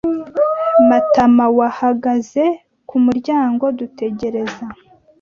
Matamawahagaze ku muryango dutegereza.